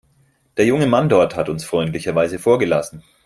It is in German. Der junge Mann dort hat uns freundlicherweise vorgelassen.